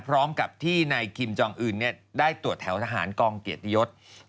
พร้อมกับที่นายคิมจองอื่นได้ตรวจแถวทหารกองเกียรติยศ